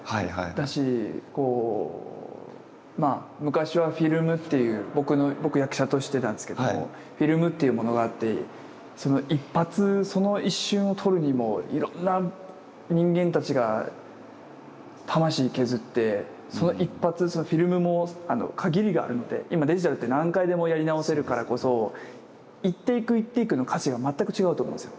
だし昔はフィルムっていう僕役者としてなんですけどフィルムっていうものがあってその一発その一瞬を撮るにもいろんな人間たちが魂削ってその一発フィルムも限りがあるので今デジタルって何回でもやり直せるからこそ１テイク１テイクの価値が全く違うと思うんですよ。